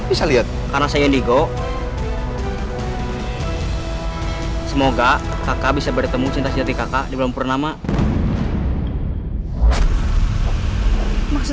isinya kak sekali lagi terima kasih